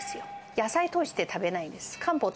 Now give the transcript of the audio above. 野菜として食べないです。